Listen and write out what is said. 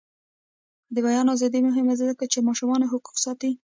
د بیان ازادي مهمه ده ځکه چې ماشومانو حقونه ساتي.